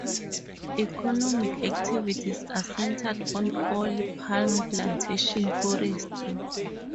Economic activities are centred on oil palm plantations, forestry.